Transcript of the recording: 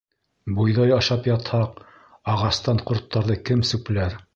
— Бойҙай ашап ятһаҡ, ағастан ҡорттарҙы кем сүпләр?